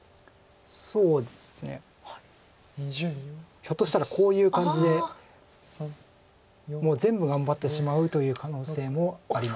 ひょっとしたらこういう感じでもう全部頑張ってしまうという可能性もあります。